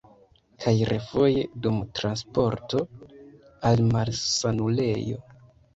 Kaj refoje dum transporto al malsanulejo.